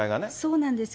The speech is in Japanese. そうなんです。